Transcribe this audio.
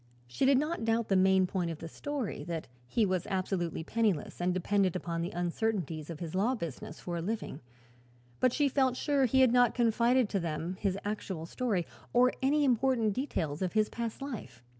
She did not doubt the main point of the story, that he was absolutely penniless and dependent upon the uncertainties of his law business for a living; but she felt sure he had not confided to them his actual history, or any important details of his past life.